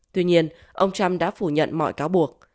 tuy nhiên ông trump đã phủ nhận mọi cáo buộc